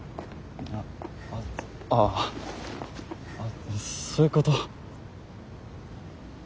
あそういうこと。